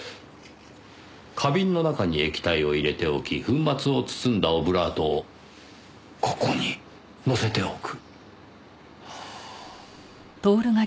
花瓶の中に液体を入れておき粉末を包んだオブラートをここに載せておく。